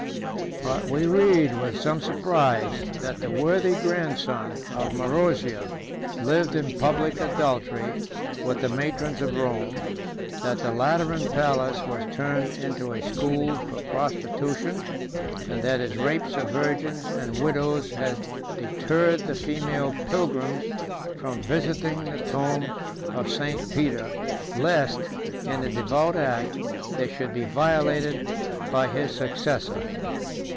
But we read, with some surprise, that the worthy grandson of Marozia lived in public adultery with the matrons of Rome; that the Lateran palace was turned into a school for prostitution, and that his rapes of virgins and widows had deterred the female pilgrims from visiting the tomb of St. Peter, lest, in the devout act, they should be violated by his successor.